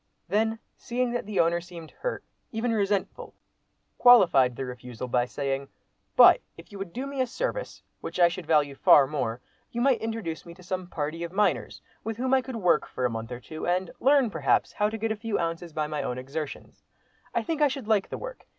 Then, seeing that the owner seemed hurt, even resentful, qualified the refusal by saying, "But if you would do me a service, which I should value far more, you might introduce me to some party of miners, with whom I could work for a month or two, and learn, perhaps, how to get a few ounces by my own exertions. I think I should like the work.